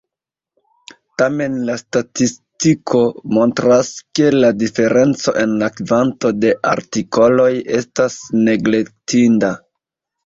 Tamen la statistiko montras, ke la diferenco en la kvanto de artikoloj estas neglektinda.